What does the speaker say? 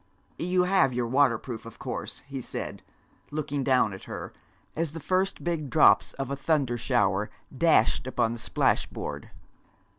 'You have your waterproof, of course,' he said, looking down at her, as the first big drops of a thunder shower dashed upon the splash board.